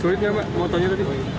sulitnya apa fotonya tadi